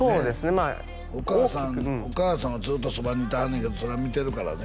まあお母さんお母さんはずっとそばにいてはんねんけどそれを見てるからね